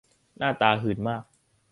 หน้าตาหื่นมาก